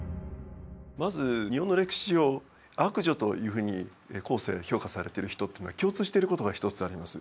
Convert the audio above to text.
まず日本の歴史上悪女というふうに後世評価されてる人っていうのは共通してることが一つあります。